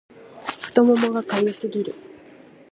太ももが痒すぎる